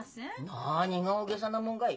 なにが大げさなもんがい。